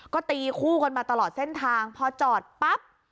ก็ตีคู่กันมาตลอดเส้นทางพอจอดปั๊บ